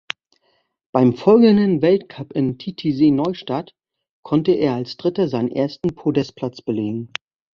Beim folgenden Weltcup in Titisee-Neustadt konnte er als dritter seinen ersten Podestplatz belegen.